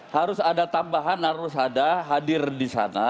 harus ada tambahan harus ada hadir di sana